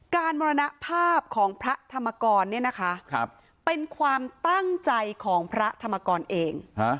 มรณภาพของพระธรรมกรเนี่ยนะคะเป็นความตั้งใจของพระธรรมกรเอง